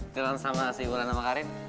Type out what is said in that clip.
jalan sama si ulan sama karin